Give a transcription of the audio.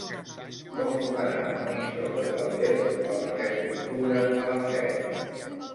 Com puc anar a Monistrol de Calders el disset d'octubre a les set?